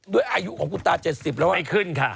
ด้วยอายุของคุณตา๗๐แล้ว